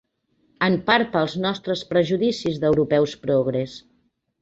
En part pels nostres prejudicis d'europeus progres.